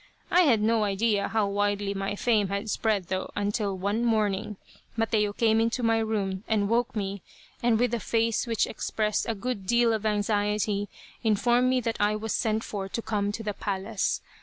I had no idea how widely my fame had spread, though, until one morning Mateo came into my room and woke me, and with a face which expressed a good deal of anxiety, informed me that I was sent for to come to the palace.